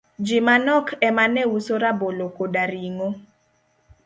ji manok emane uso rabolo koda ring'o.